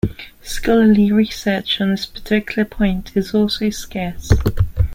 Scholarly research on this particular point is also scarce.